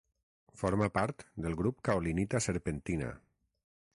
Forma part del grup caolinita-serpentina.